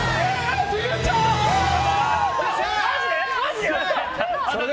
マジで？